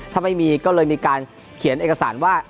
ถ้าไม่มีก็เลยมีการเขียนเอกสารว่า